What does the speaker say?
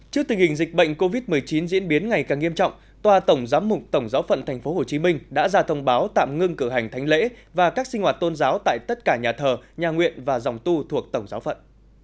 trước tình hình dịch bệnh covid một mươi chín diễn biến ngày càng nghiêm trọng tòa tổng giám mục tổng giáo phận tp hcm đã ra thông báo tạm ngưng cử hành thánh lễ và các sinh hoạt tôn giáo tại tất cả nhà thờ nhà nguyện và dòng tu thuộc tổng giáo phận